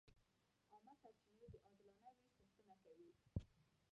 عامه سرچینې د عادلانه وېش غوښتنه کوي.